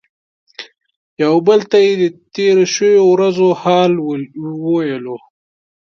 یو بل ته یې د تیرو شویو ورځو حال ویلو.